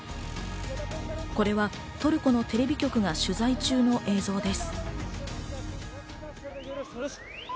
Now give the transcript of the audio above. これはトルコのテレビ局が取材中の映像です。